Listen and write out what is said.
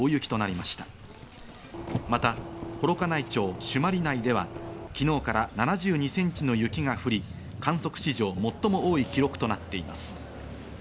また幌加内町朱鞠内では昨日から７２ｃｍの雪が降り、観測史上最も多い記録となっています。